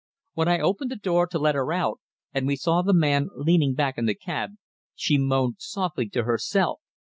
When I opened the door to let her out and we saw the man leaning back in the cab, she moaned softly to herself.